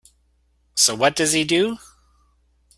So what does he do?